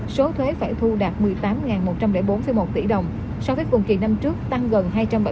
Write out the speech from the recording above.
số thuế phải thu đạt một mươi tám một trăm linh bốn một tỷ đồng so với cùng kỳ năm trước tăng gần hai trăm bảy mươi